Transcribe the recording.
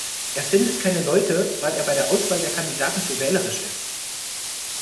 Er findet keine Leute, weil er bei der Auswahl der Kandidaten zu wählerisch ist.